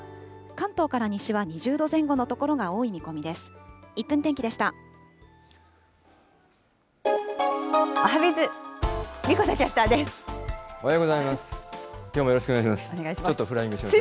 関東から西は２０度前後の所が多い見込みです。